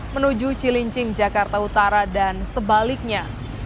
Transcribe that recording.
menuju cilincing jakarta utara dan sebaliknya